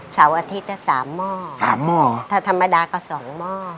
เสาร์อาทิตย์จะสามหม้อสามหม้อถ้าธรรมดาก็สองหม้อ